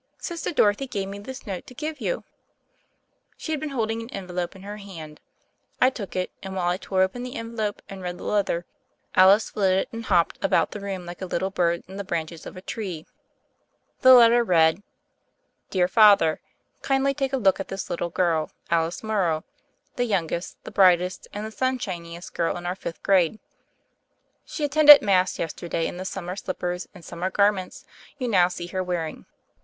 Sister Dorothy gave me this note to give you." She had been holding an envelope in her hand. I took it, and while I tore open the envelope and read the letter Alice flitted and hopped about the room like a little bird in the branches of a tree. The letter read : "Dear Father: Kindly take a look at this little girl, Alice Morrow, the youngest, the brightest, and the sunshiniest child in our fifth grade. She attended Mass yesterday in the sum mer slippers and summer garments you now see her wearing.